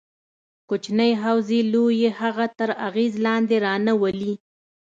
کوچنۍ حوزې لویې هغه تر اغېز لاندې رانه ولي.